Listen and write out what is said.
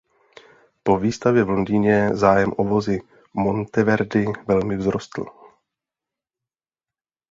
Po výstavě v Londýně zájem o vozy Monteverdi velmi vzrostl.